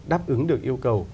đáp ứng được yêu cầu